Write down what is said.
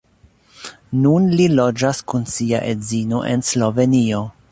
Nun li loĝas kun sia edzino en Slovenio.